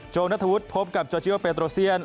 โจงณฑวุฒิพบกับจอจิโยเพทโรเซียน